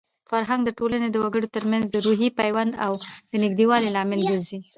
فرهنګ د ټولنې د وګړو ترمنځ د روحي پیوند او د نږدېوالي لامل ګرځي.